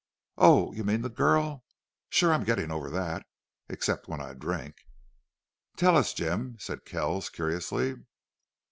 "Oh, you mean the girl?... Sure, I'm getting over that, except when I drink." "Tell us, Jim," said Kells, curiously.